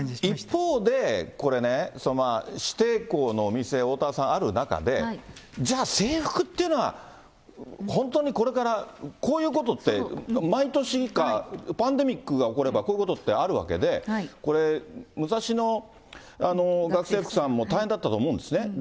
一方で、これね、指定校のお店、おおたわさん、ある中で、じゃあ制服っていうのは、本当にこれから、こういうことって、毎年か、パンデミックが起これば、こういうことってあるわけで、これ、ムサシノ学生服さんも大変だったと思うんですね。